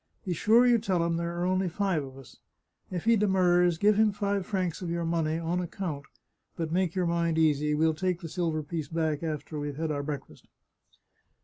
Be sure you tell him there are only five of us. If he demurs, give him five francs of your money, on ac count ; but make your mind easy, we'll take the silver piece back after we've had our breakfast."